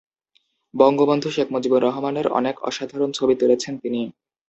বঙ্গবন্ধু শেখ মুজিবুর রহমানের অনেক অসাধারণ ছবি তুলেছেন তিনি।